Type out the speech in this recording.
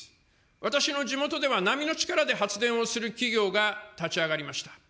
私の地元では波の力で発電をする企業が立ち上がりました。